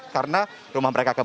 karena rumah mereka kebanyakan